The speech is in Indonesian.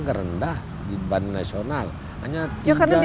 ya karena biasanya mereka perginya ke jawa untuk cari